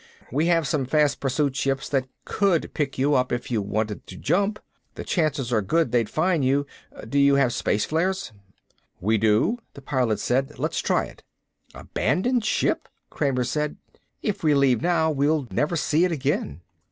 "We have some fast pursuit ships that could pick you up if you wanted to jump. The chances are good they'd find you. Do you have space flares?" "We do," the Pilot said. "Let's try it." "Abandon ship?" Kramer said. "If we leave now we'll never see it again."